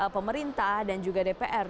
pemerintah dan juga dpr